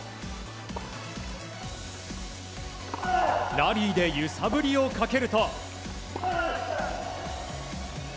ラリーで揺さぶりをかけると。